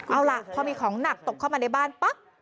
เอาล่ะพอมีของหนักตกเข้ามาในบ้านปั๊บ